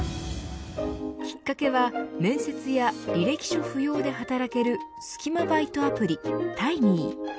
きっかけは面接や履歴書不要で働けるスキマバイトアプリ、タイミー。